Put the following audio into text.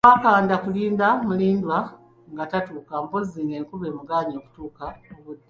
Twakanda kulinda Mulindwa nga tatuuka mpozzi ng'enkuba emugaanyi okutuuka mu budde.